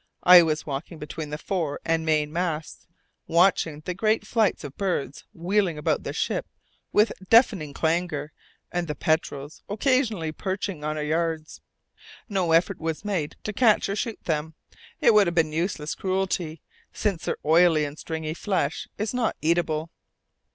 I was walking between the fore and main masts, watching the great flights of birds wheeling about the ship with deafening clangour, and the petrels occasionally perching on our yards. No effort was made to catch or shoot them; it would have been useless cruelty, since their oily and stringy flesh is not eatable.